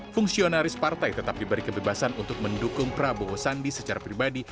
fungsionaris partai tetap diberi kebebasan untuk mendukung prabowo sandi secara pribadi